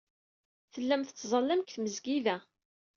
Tellam tettẓallam deg tmesgida.